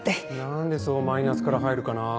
何でそうマイナスから入るかな？